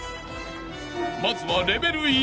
［まずはレベル１。